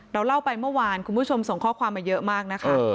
เราเล่าไปเมื่อวานคุณผู้ชมส่งข้อความมาเยอะมากนะคะ